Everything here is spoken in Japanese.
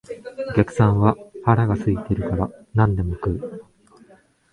お客さんは腹が空いているから何でも食う